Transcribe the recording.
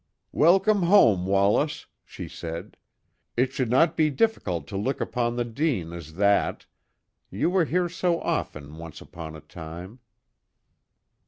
"Welcome home, Wallace," she said. "It should not be difficult to look upon the Dene as that you were here so often once upon a time."